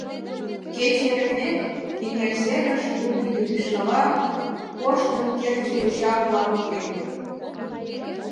Кече ырыктымек, эҥер серыш, лудиге тӱшкала, коштын кертше йоча-влак лектыт.